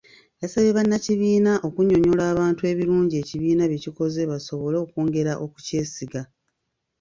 Yasabye bannakibiina okunnyonnyola abantu ebirungi ekibiina bye kikoze basobole okwongera okukyesiga.